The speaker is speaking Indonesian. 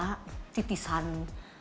seharusnya perempuan yang secantik bella labella